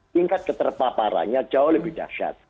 tingkat keterpaparannya jauh lebih dahsyat